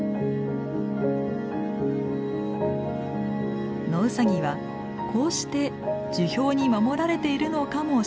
ノウサギはこうして樹氷に守られているのかもしれません。